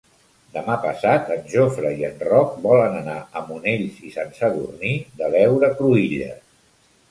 Demà passat en Jofre i en Roc volen anar a Monells i Sant Sadurní de l'Heura Cruïlles.